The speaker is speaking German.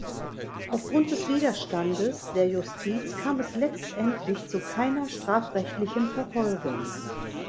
Aufgrund des Widerstandes der Justiz kam es letztendlich zu keiner strafrechtlichen Verfolgung.